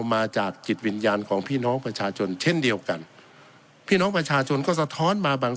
มาจากจิตวิญญาณของพี่น้องประชาชนเช่นเดียวกันพี่น้องประชาชนก็สะท้อนมาบาง